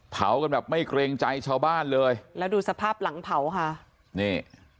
เผากันแบบไม่เกรงใจชาวบ้านเลยแล้วดูสภาพหลังเผาค่ะนี่